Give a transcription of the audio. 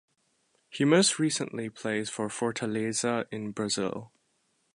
He most recently plays for Fortaleza in Brazil.